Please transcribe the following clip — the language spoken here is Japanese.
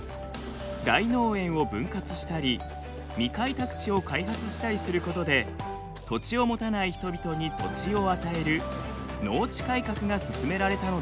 大農園を分割したり未開拓地を開発したりすることで土地を持たない人々に土地を与える農地改革が進められたのです。